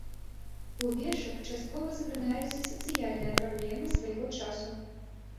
У вершах часткова закранаюцца і сацыяльныя праблемы свайго часу.